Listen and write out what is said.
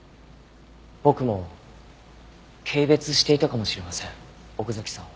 僕も軽蔑していたかもしれません奥崎さんを。